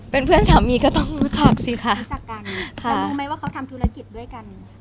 เป็นเพื่อนสามีก็ต้องรู้จักสิคะรู้จักกันแล้วรู้ไหมว่าเขาทำธุรกิจด้วยกัน